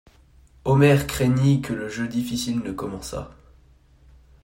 Omer craignit que le jeu difficile ne commençât.